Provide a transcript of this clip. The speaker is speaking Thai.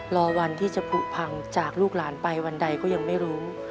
รอวันที่จะผลู่พังจากลูกลานไปวันใดคือไหนครับ